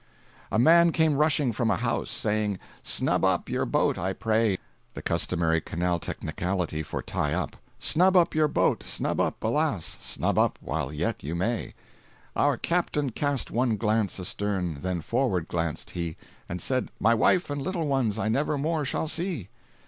A man came rushing from a house, Saying, 'Snub up your boat I pray, [The customary canal technicality for "tie up."] Snub up your boat, snub up, alas, Snub up while yet you may.' Our captain cast one glance astern, Then forward glancèd he, And said, "My wife and little ones I never more shall see."